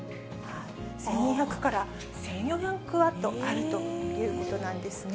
１２００から１４００ワットあるということなんですね。